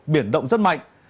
biển động rất mạnh